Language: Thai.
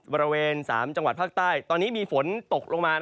บริเวณ๓จังหวัดภาคใต้ตอนนี้มีฝนตกลงมา